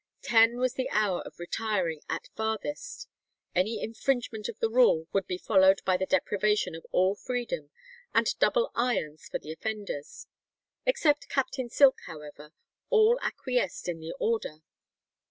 Ten was the hour of retiring "at farthest;" any infringement of the rule would be followed by the deprivation of all freedom, and double irons for the offenders. Except Captain Silk, however, all acquiesced in the order.